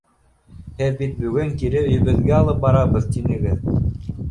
Һеҙ бит бөгөн кире өйөбөҙгә алып барабыҙ, тинегеҙ!